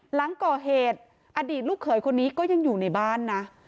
หลังก่อเหตุอดีตลูกเขยคนนี้ก็ยังอยู่ในบ้านนะ